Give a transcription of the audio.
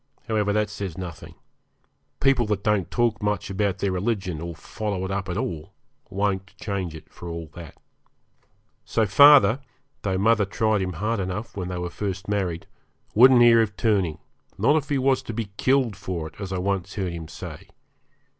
However, that says nothing. People that don't talk much about their religion, or follow it up at all, won't change it for all that. So father, though mother tried him hard enough when they were first married, wouldn't hear of turning, not if he was to be killed for it, as I once heard him say.